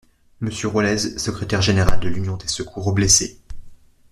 Monsieur Rollez, secrétaire général, de l'Union des Secours aux Blessés.